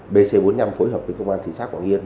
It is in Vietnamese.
bc bốn mươi năm phối hợp với công an thị xã quảng yên